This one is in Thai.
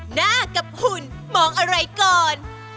หน้ากับหุ่นมองอะไรก่อน